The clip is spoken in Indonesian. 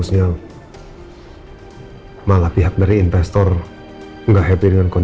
silahkan mbak mbak